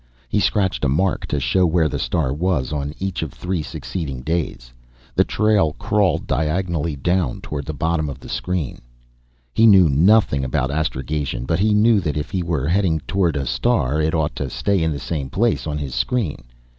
He scratched a mark to show where the star was on each of three succeeding "days." The trail crawled diagonally down toward the bottom of the screen. He knew nothing about astrogation; but he knew that if he were heading directly toward the star, it ought to stay in the same place on his screen.